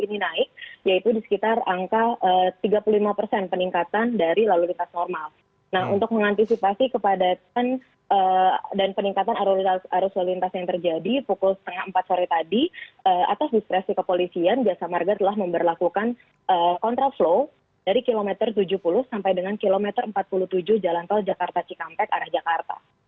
nah untuk mengantisipasi kepadatan dan peningkatan arus lalu lintas yang terjadi pukul setengah empat sore tadi atas diskresi kepolisian jasa marga telah memperlakukan kontraflow dari kilometer tujuh puluh sampai dengan kilometer empat puluh tujuh jalan tol jakarta cikampek arah jakarta